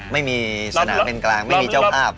ไม่มีสนามเป็นกลางไม่มีเจ้าภาพ